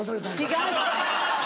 違う！